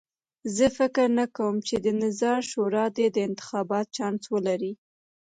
زه فکر نه کوم چې د نظار شورا دې د انتخاب چانس ولري.